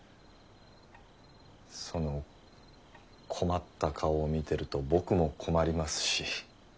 その困った顔を見てると僕も困りますし。